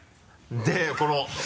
でこの。